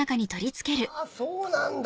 あそうなんだ。